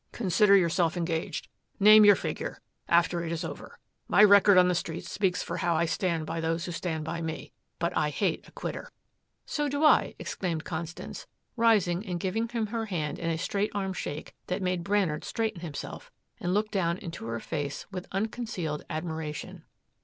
"Consider yourself engaged. Name your figure after it is over. My record on the Streets speaks for how I stand by those who stand by me. But I hate a quitter." "So do I," exclaimed Constance, rising and giving him her hand in a straight arm shake that made Brainard straighten himself and look down into her face with unconcealed admiration.